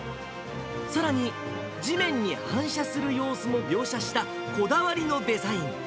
さらに、地面に反射する様子も描写した、こだわりのデザイン。